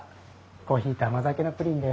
コーヒーと甘酒のプリンです。